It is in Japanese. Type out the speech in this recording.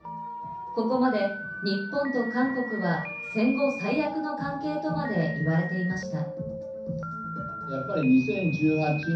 ここまで日本と韓国は、戦後最悪の関係とまで言われていました。